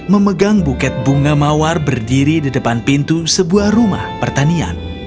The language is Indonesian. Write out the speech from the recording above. memegang buket bunga mawar berdiri di depan pintu sebuah rumah pertanian